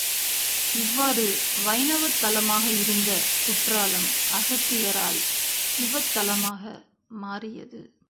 இவ்வாறு வைணவத் தலமாக இருந்த குற்றாலம் அகத்தியரால் சிவத் தலமாக மாறியது.